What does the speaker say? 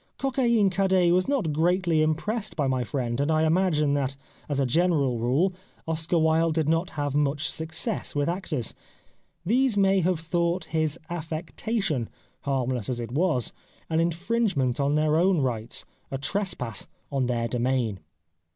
... Coquelin cadet was not greatly impressed by my friend ; and I imagine that, as a general rule, Oscar Wilde did not have much success with actors. These may have thought his affectation, harmless as it was, an infringement on their own rights — a trespass on their domain."